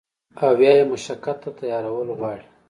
او يا ئې مشقت ته تيارول غواړي